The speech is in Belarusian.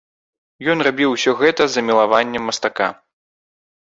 Ён рабіў усё гэта з замілаваннем мастака.